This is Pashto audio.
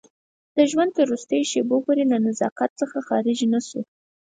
د ژوند تر وروستیو شېبو پورې له نزاکت څخه خارج نه شو.